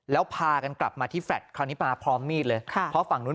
แล้วพากันกลับมาที่แฟลต์คราวนี้มาพร้อมมีดเลยค่ะเพราะฝั่งนู้น